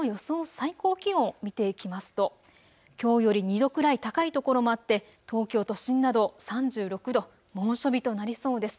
最高気温を見ていきますときょうより２度くらい高いところもあって東京都心など３６度、猛暑日となりそうです。